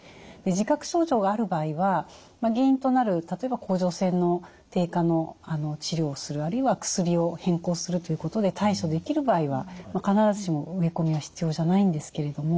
自覚症状がある場合は原因となる例えば甲状腺の低下の治療をするあるいは薬を変更するということで対処できる場合は必ずしも植え込みは必要じゃないんですけれども。